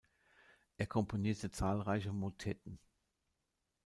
Er komponierte zahlreiche Motetten.